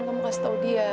kamu kasih tau dia